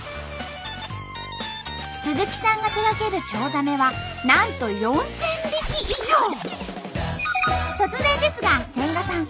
鈴木さんが手がけるチョウザメはなんと突然ですが千賀さん！